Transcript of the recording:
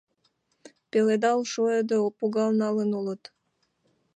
Пеледал шуыде погал налын улыт.